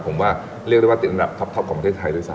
ผมว่าเรียกได้ว่าติดอันดับท็อปของประเทศไทยด้วยซ